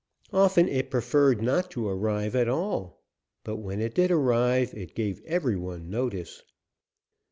Often it preferred not to arrive at all, but when it did arrive, it gave every one notice.